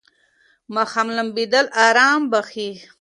ماښام لمبېدل آرام بخښي.